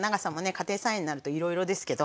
家庭菜園になるといろいろですけど。